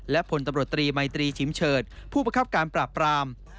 และผลตำรวจตรีมัยตรีชิมเฉิดผู้ประคับการปราบปราม